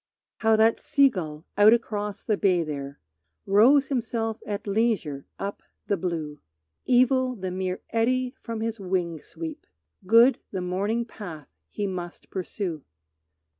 How that sea gull out across the bay there Rows himself at leisure up the blue! Evil the mere eddy from his wing sweep, Good the morning path he must pursue.